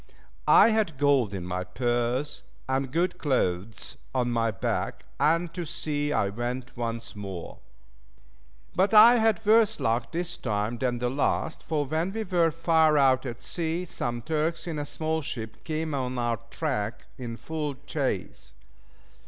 I had gold in my purse, and good clothes on my back, and to sea I went once more. But I had worse luck this time than the last, for when we were far out at sea, some Turks in a small ship came on our track in full chase.